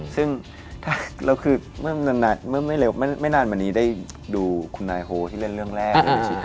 ซึ่งแล้วคือเมื่อไม่นานมานี้ได้ดูคุณนายโฮที่เล่นเรื่องแรก